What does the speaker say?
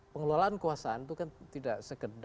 pengelolaan kekuasaan itu kan tidak sekedar